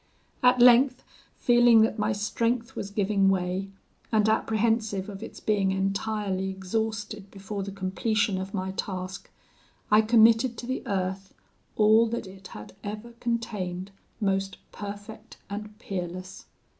At length, feeling that my strength was giving way, and apprehensive of its being entirely exhausted before the completion of my task, I committed to the earth all that it had ever contained most perfect and peerless.